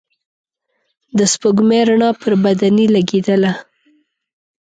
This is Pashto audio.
د سپوږمۍ رڼا پر بدنې لګېدله.